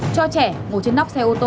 cho trẻ ngồi trên nóc xe ô tô